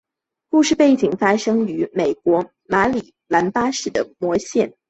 故事背景发生于美国马里兰州巴尔的摩市。